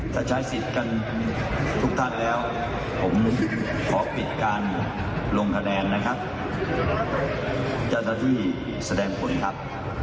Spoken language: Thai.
ถ้าใช้สิทธิ์กันทุกท่านแล้วผมขอปิดการลงคะแดนนะครับ